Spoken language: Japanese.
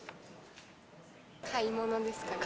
買い物ですかね。